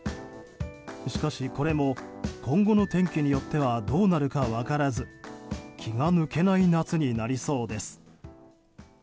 しかし、これも今後の天気によってはどうなるか分からず気が抜けない夏になりそうです。